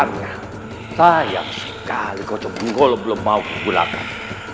sebenarnya sayang sekali kocok bengkolo belum mau digunakan